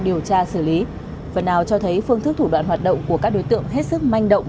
điều tra xử lý phần nào cho thấy phương thức thủ đoạn hoạt động của các đối tượng hết sức manh động